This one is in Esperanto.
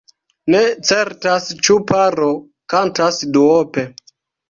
Ne certas ĉu paro kantas duope.